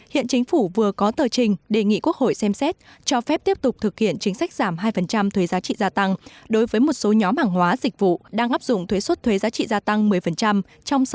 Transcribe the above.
hiện chính phủ vừa có tờ trình đề nghị quốc hội xem xét cho phép tiếp tục thực hiện chính sách giảm hai thuế giá trị gia tăng đối với một số nhóm hàng hóa dịch vụ đang áp dụng thuế xuất thuế giá trị gia tăng một mươi